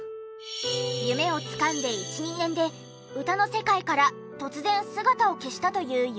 夢をつかんで１２年で歌の世界から突然姿を消したというｙｕ−ｙｕさん。